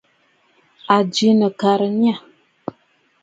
À jɨ nɨ̀karə̀ nâ.